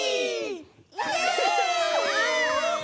イエイ。